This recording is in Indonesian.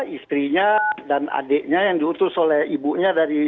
istrinya dan adiknya yang diutus oleh ibunya dari